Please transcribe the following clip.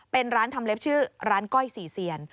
เป็นร้านทำเล็บชื่อร้านก้อยสี่เซียน